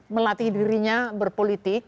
melatih dirinya berpolitik